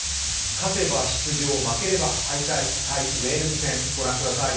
勝てば出場、負ければ敗退対ウェールズ戦、御覧ください。